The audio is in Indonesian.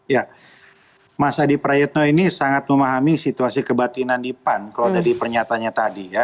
ya mas adi prayetno ini sangat memahami situasi kebatinan di pan kalau dari pernyatanya tadi ya